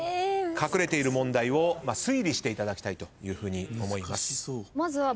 隠れている問題を推理していただきたいというふうに思います。